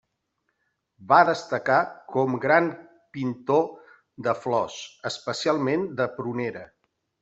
Va destacar com gran pintor de flors, especialment de prunera.